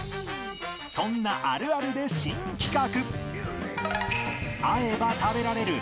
そんなあるあるで新企画